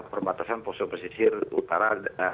perbatasan posisir utara